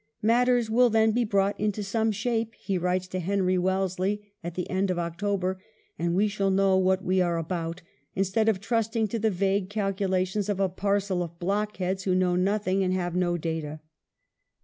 " Matters will then be brought into some shape," he writes to Henry Wellesley at the end of October, " and we shall know what we are about, instead of trusting to the vague calculations of a parcel of blockheads who know nothing and have no data."